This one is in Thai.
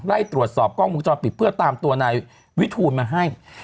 ไล่ตรวจสอบกล้องวงจรปิดเพื่อตามตัวนายวิทูลมาให้